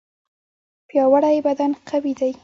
پیاوړی بدن قوي دی.